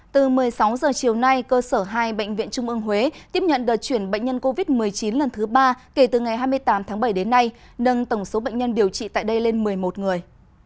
từ một mươi sáu h chiều nay cơ sở hai bệnh viện trung ương huế tiếp nhận đợt chuyển bệnh nhân covid một mươi chín lần thứ ba kể từ ngày hai mươi tám tháng bảy đến nay nâng tổng số bệnh nhân điều trị tại đây lên một mươi một người